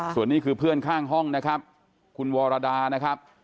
ส่วนนี้คือเพื่อนข้างห้องนะครับคุณวรดานะครับ